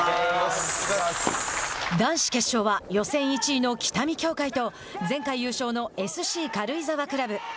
男子決勝は予選１位の北見協会と前回優勝のＳＣ軽井沢クラブ。